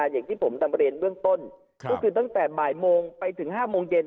อย่างที่ผมนำเรียนเบื้องต้นก็คือตั้งแต่บ่ายโมงไปถึง๕โมงเย็น